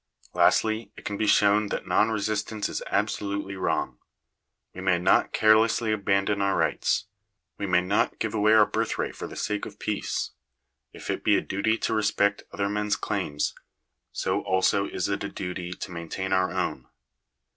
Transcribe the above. Lastly, it can be shown that non resistance is absolutely,* wrong. We may not carelessly abandon our rights. We may ' not give away our birthright for the sake of peace. If it be : a duty to respect other men's claims, so also is it a duty to maintain our own.